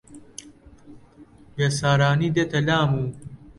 بێسارانی دێتە لام و